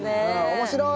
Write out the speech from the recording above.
面白い！